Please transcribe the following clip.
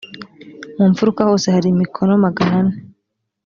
mu mfuruka hose hari imikono magana ane